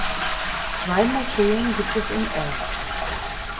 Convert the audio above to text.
Zwei Moscheen gibt es im Ort.